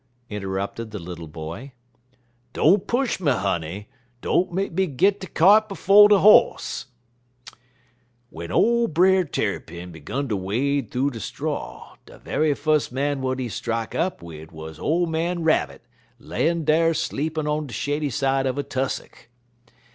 interrupted the little boy. "Don't push me, honey; don't make me git de kyart 'fo' de hoss. W'en ole Brer Tarrypin 'gun ter wade thoo de straw, de ve'y fus' man w'at he strak up wid wuz ole man Rabbit layin' dar sleepin' on de shady side uv a tussock.